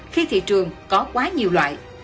khi thị trường có quá nhiều loại